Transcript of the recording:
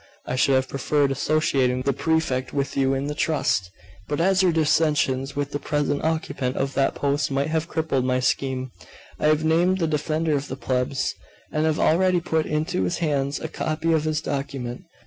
I should have preferred associating the Prefect with you in the trust: but as your dissensions with the present occupant of that post might have crippled my scheme, I have named the Defender of the Plebs, and have already put into his hands a copy of this document.